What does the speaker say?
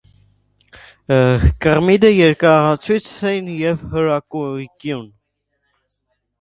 Կղմինդրը երկարակյաց է և հրակայուն։